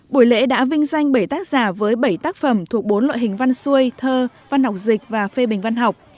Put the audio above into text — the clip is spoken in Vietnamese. buổi lễ đã vinh danh bảy tác giả với bảy tác phẩm thuộc bốn loại hình văn xuôi thơ văn học dịch và phê bình văn học